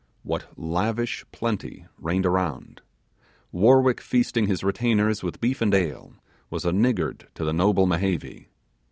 What lavish plenty reigned around? Warwick feasting his retainers with beef and ale, was a niggard to the noble Mehevi!